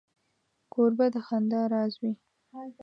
کوربه د خندا راز وي.